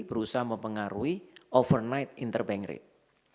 berusaha mempengaruhi overnight interbank rate